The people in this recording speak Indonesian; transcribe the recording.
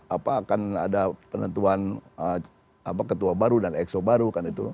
apa akan ada penentuan ketua baru dan exo baru